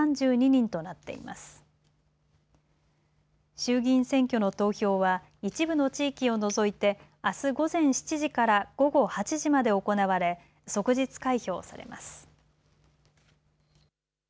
衆議院選挙の投票は一部の地域を除いてあす午前７時から午後８時まで行われ即日開票されます。